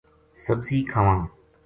سبزی کھاواں